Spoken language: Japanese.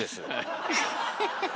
ハハハッ。